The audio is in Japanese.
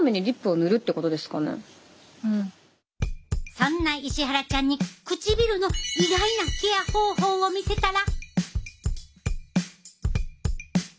そんな石原ちゃんに唇の意外なケア方法を見せたら。